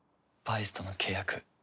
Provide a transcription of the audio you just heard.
バイスとの契約。